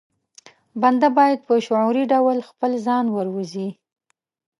بنده بايد په شعوري ډول خپل ځان وروزي.